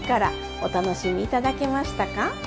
お楽しみ頂けましたか？